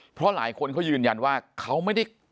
เพราะหลายคนเขายืนยันว่าเขาไม่ได้